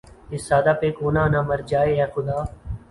اس سادہ پہ کونہ نہ مر جائے اے خدا